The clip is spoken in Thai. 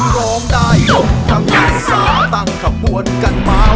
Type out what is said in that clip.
ร้องได้ยกทั้งกลางซ่าตั้งขบวนกันมาวัน